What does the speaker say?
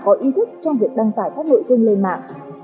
có ý thức trong việc đăng tải các nội dung lên mạng